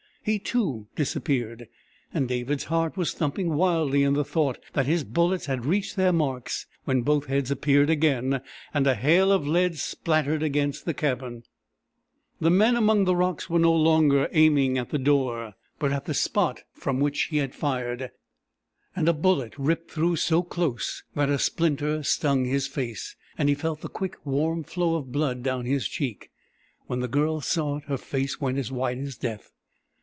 He, too, disappeared, and David's heart was thumping wildly in the thought that his bullets had reached their marks when both heads appeared again and a hail of lead spattered against the cabin. The men among the rocks were no longer aiming at the door, but at the spot from which he had fired, and a bullet ripped through so close that a splinter stung his face, and he felt the quick warm flow of blood down his cheek. When the Girl saw it her face went as white as death.